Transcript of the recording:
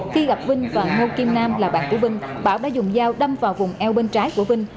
khi gặp vinh và ngô kim nam là bạn của vinh bảo đã dùng dao đâm vào vùng eo bên trái của vinh